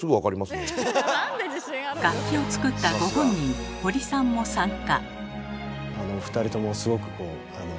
楽器を作ったご本人堀さんも参加。